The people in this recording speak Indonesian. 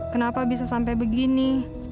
kenapa bisa sampai begini